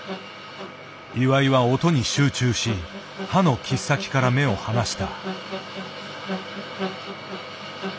岩井は音に集中し刃の切っ先から目を離した。